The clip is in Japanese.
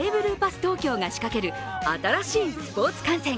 東京が仕掛ける新しいスポーツ観戦。